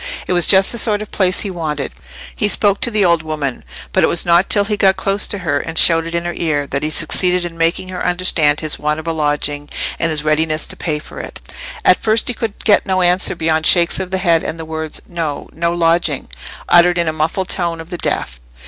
It was just the sort of place he wanted. He spoke to the old woman; but it was not till he got close to her and shouted in her ear, that he succeeded in making her understand his want of a lodging, and his readiness to pay for it. At first he could get no answer beyond shakes of the head and the words, "No—no lodging," uttered in the muffled tone of the deaf.